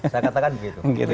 saya katakan begitu